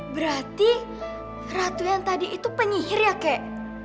berarti ratu yang tadi itu penyihir ya kek